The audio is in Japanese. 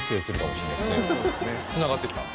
つながってきた。